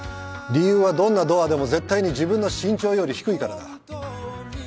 理由はどんなドアでも絶対に自分の身長より低いからだ。